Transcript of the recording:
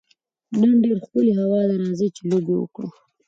نن ډېره ښکلې هوا ده، راځئ چي لوبي وکړو.